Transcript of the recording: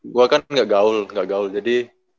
gue kan gak gaul gak gaul jadi